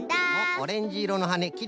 オレンジいろのはねきれいじゃないの。